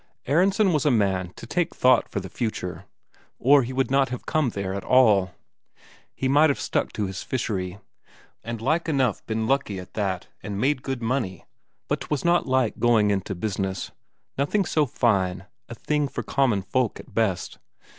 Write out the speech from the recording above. Aronsen was a man to take thought for the future, or he would not have come there at all. He might have stuck to his fishery, and like enough been lucky at that and made good money, but 'twas not like going into business; nothing so fine, a thing for common folk at best.